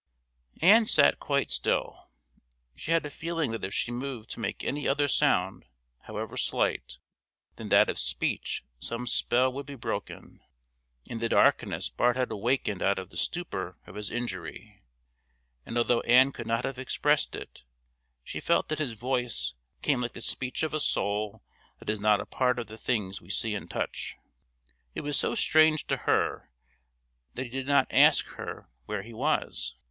Ann sat quite still; she had a feeling that if she moved to make any other sound, however slight, than that of speech some spell would be broken. In the darkness Bart had awakened out of the stupor of his injury; and although Ann could not have expressed it, she felt that his voice came like the speech of a soul that is not a part of the things we see and touch. It was so strange to her that he did not ask her where he was.